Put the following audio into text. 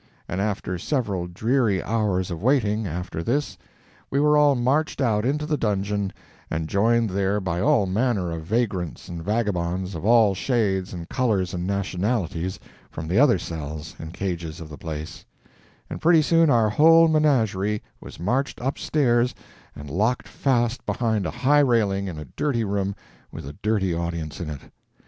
And after several dreary hours of waiting, after this, we were all marched out into the dungeon and joined there by all manner of vagrants and vagabonds, of all shades and colours and nationalities, from the other cells and cages of the place; and pretty soon our whole menagerie was marched up stairs and locked fast behind a high railing in a dirty room with a dirty audience in it.